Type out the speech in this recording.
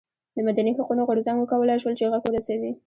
د مدني حقونو غورځنګ وکولای شول چې غږ ورسوي.